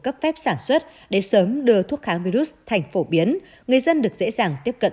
cấp phép sản xuất để sớm đưa thuốc kháng virus thành phổ biến người dân được dễ dàng tiếp cận